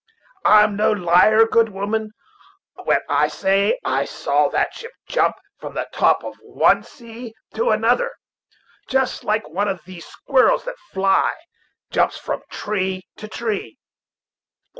I'm no liar, good woman, when I say that I saw that ship jump from the top of one sea to another, just like one of these squirrels that can fly jumps from tree to tree."